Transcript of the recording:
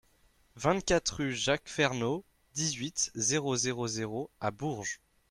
vingt-quatre rue Jacques Fernault, dix-huit, zéro zéro zéro à Bourges